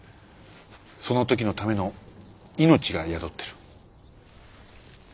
その時のための命が宿ってる。